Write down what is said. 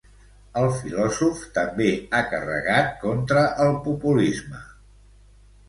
El filòsof també ha carregat contra el populisme.